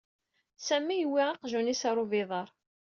Sami yewwi aqjun-is ɣer ubiḍar.